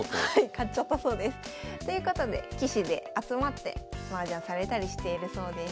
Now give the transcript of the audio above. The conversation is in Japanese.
買っちゃったそうです。ということで棋士で集まってマージャンされたりしているそうです。